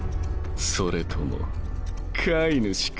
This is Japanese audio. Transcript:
それとも飼い主か？